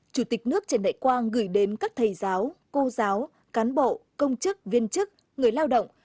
chủ tịch nước trần đại quang gửi đến các thầy giáo cô giáo cán bộ công chức viên chức người lao động